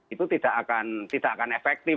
itu tidak akan efektif